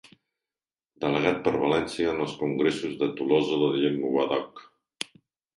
Delegat per València en els Congressos de Tolosa de Llenguadoc.